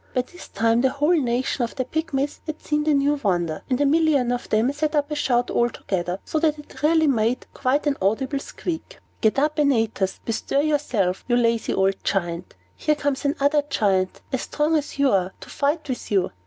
By this time, the whole nation of the Pygmies had seen the new wonder, and a million of them set up a shout all together; so that it really made quite an audible squeak. "Get up, Antaeus! Bestir yourself, you lazy old Giant! Here comes another Giant, as strong as you are, to fight with you."